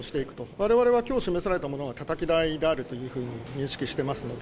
われわれはきょう示されたものはたたき台であるというふうに認識してますので。